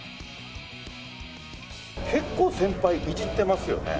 結構、先輩いじってますよね。